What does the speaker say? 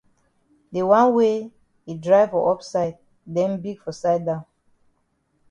De wan wey yi dry for up side den big for side down.